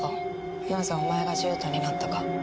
なぜお前が獣人になったか。